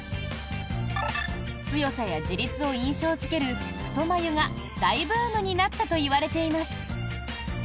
「強さ」や「自立」を印象付ける太眉が大ブームになったといわれています。